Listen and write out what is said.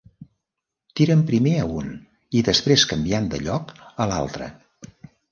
Tiren primer a un i després canviant de lloc, a l'altre.